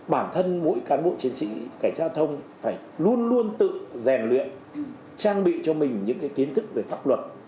bản thân mỗi cán bộ chiến sĩ cảnh giao thông phải luôn luôn tự rèn luyện trang bị cho mình những kiến thức về pháp luật